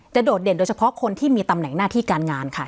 โดดเด่นโดยเฉพาะคนที่มีตำแหน่งหน้าที่การงานค่ะ